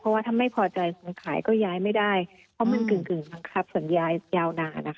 เพราะว่าถ้าไม่พอใจคนขายก็ย้ายไม่ได้เพราะมันกึ่งบังคับสัญญายาวนานนะคะ